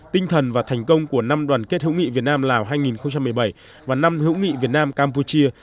tinh thần và thành công của năm đoàn kết hữu nghị việt nam lào hai nghìn một mươi bảy và năm hữu nghị việt nam campuchia